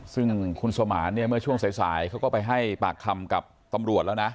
ซึ่งคุณสมานเนี่ยเมื่อช่วงสายเขาก็ไปให้ปากคำกับตำรวจแล้วนะ